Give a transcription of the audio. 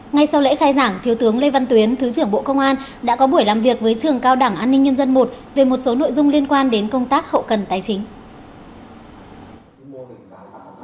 ngay sau lễ khai giảng thiếu tướng lê văn tuyến thứ trưởng bộ công an đã có buổi làm việc với trường cao đảng an ninh nhân dân i về một số nội dung liên quan đến công tác hậu cần tài chính